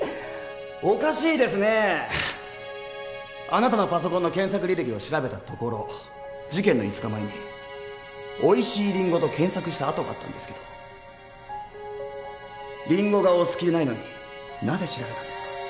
あなたのパソコンの検索履歴を調べたところ事件の５日前に「おいしいりんご」と検索した跡があったんですけどリンゴがお好きでないのになぜ調べたんですか？